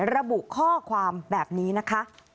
ระบุข้อความแบบนี้นะคะ